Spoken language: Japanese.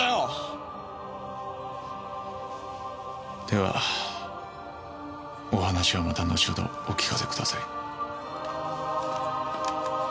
ではお話はまた後ほどお聞かせください。